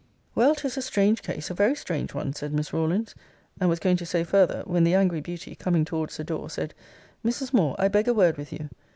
Well, 'tis a strange case, a very strange one, said Miss Rawlins; and was going to say further, when the angry beauty, coming towards the door, said, Mrs. Moore, I beg a word with you.